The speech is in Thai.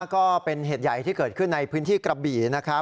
ก็เป็นเหตุใหญ่ที่เกิดขึ้นในพื้นที่กระบี่นะครับ